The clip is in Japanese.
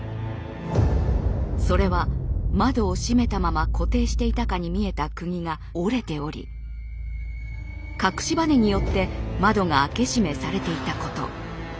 それは窓を閉めたまま固定していたかに見えたくぎが折れており隠しバネによって窓が開け閉めされていたこと。